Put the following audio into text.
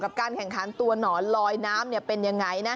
การแข่งขันตัวหนอนลอยน้ำเป็นยังไงนะ